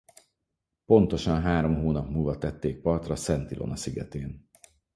Pontosan három hónap múlva tették partra Szent Ilona szigetén.